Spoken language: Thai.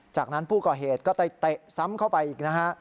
จากนั้นผู้ก่อเหตุก็ไปเตะซ้ำเข้าไปอีกนะฮะ